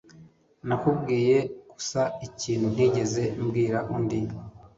Nakubwiye gusa ikintu ntigeze mbwira undi.